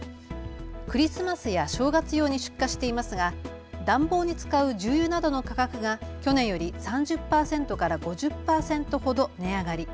クリスマスや正月用に出荷していますが暖房に使う重油などの価格が去年より３０％から５０％ほど値上がり。